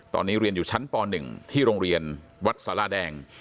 ตอนนี้เรียนอยู่ชั้นป๑ที่โรงเรียนวัดสาราแดง